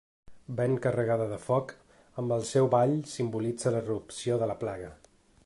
Ben carregada de foc, amb el seu ball simbolitza la irrupció de la plaga.